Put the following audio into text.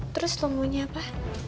terus lo mau nyapa